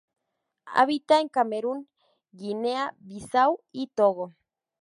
Habita en Camerún, Guinea-Bissau y Togo.